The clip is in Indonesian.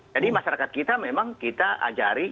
jadi masyarakat kita memang kita ajari